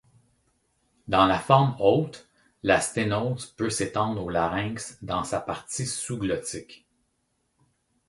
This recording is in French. Dans la forme haute, la sténose peut s'étendre au larynx dans sa partie sous-glottique.